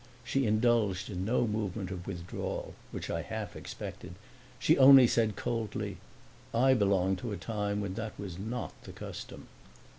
She indulged in no movement of withdrawal, which I half expected; she only said coldly, "I belong to a time when that was not the custom."